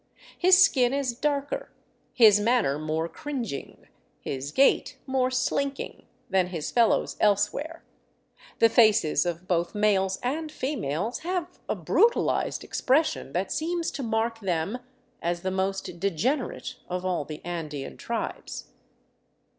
His skin is darker, his manner more cringing, his gait more slinking, than his fellows elsewhere; the faces of both males and females have a brutalized expression that seems to mark them as the most degenerate of all the Andean tribes.